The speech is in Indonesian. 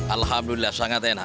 alhamdulillah sangat enak